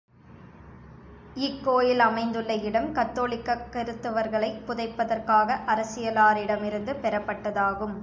இக்கோயில் அமைந்துள்ள இடம் கத்தோலிக்கக் கிருத்தவர்களைப் புதைப்பதற்காக அரசியலாரிடமிருந்து பெறப்பட்டதாகும்.